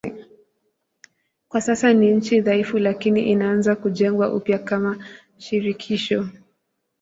Kwa sasa ni nchi dhaifu lakini inaanza kujengwa upya kama shirikisho.